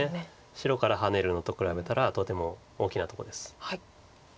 白からハネるのと比べたらとても大きなとこです。